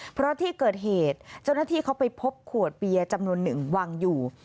เพราะที่เกิดเหตุเจ้าหน้าที่เขาไปพบขวดเบียร์จำนวนหนึ่งวางอยู่